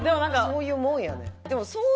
そういうもんやねん。